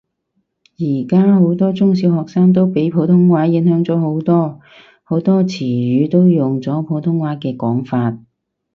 而家好多中小學生都俾普通話影響咗好多，好多詞語都用咗普通話嘅講法